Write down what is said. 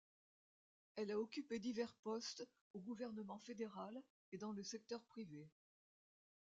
Elle a occupé divers postes au gouvernement fédéral et dans le secteur privé.